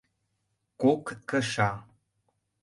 Кок кыша.